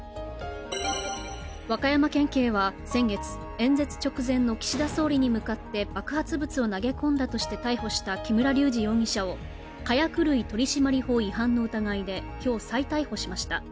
和歌山県警は先月、演説直前の岸田総理に向かって爆発物を投げ込んだとして逮捕した木村隆二容疑者を火薬類取締法違反の疑いで今日、再逮捕しました。